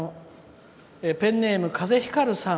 ペンネーム、かぜひかるさん。